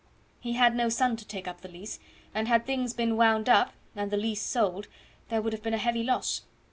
He had no son to take up the lease; and had things been wound up, and the lease sold, there would have been a heavy loss.